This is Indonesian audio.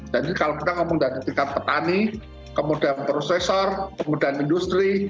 jadi kalau kita ngomong dari tingkat petani kemudian prosesor kemudian industri